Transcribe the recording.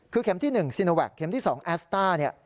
คือเข็มที่๑ซีโนแวคเข็มที่๒แอสต้าเนี่ย